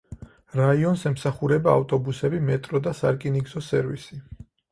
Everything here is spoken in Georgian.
რაიონს ემსახურება ავტობუსები, მეტრო და სარკინიგზო სერვისი.